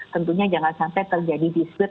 tentunya jangan sampai terjadi dispute